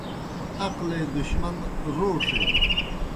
عقلے دُشمن روݜِن